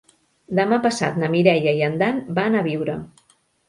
Demà passat na Mireia i en Dan van a Biure.